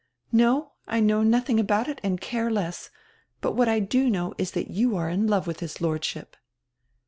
"No, I know nodiing about it and care less, but what I do know is diat you are in love widi his Lordship."